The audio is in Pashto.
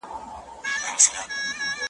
تا په پټه هر څه وکړل موږ په لوڅه ګناه کار یو ,